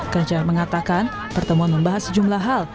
ganjar mengatakan pertemuan membahas sejumlah hal